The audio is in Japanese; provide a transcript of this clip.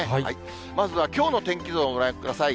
まずはきょうの天気図をご覧ください。